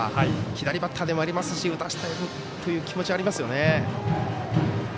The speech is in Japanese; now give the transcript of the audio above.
左バッターでもありますし打たせたい気持ちがありますよね。